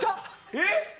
えっ？